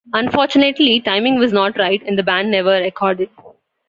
Unfortunately, timing was not right and the band never recorded.